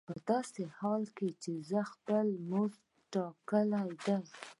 په داسې حال کې چې خپل مزد دې ټاکلی دی